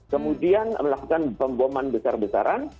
kemudian melakukan pemboman besar besaran